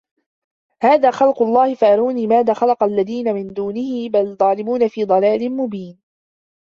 هذا خَلقُ اللَّهِ فَأَروني ماذا خَلَقَ الَّذينَ مِن دونِهِ بَلِ الظّالِمونَ في ضَلالٍ مُبينٍ